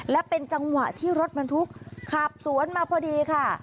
และเป็นจังหวะที่รถบรรทุกขับสวนมาพอดีค่ะ